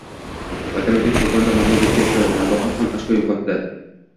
“Lokomotiv” Qo‘qonda mag‘lubiyatga uchradi, “Navbahor” ham ochko yo’qotdi